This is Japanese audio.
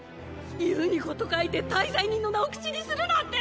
言うに事欠いて大罪人の名を口にするなんて！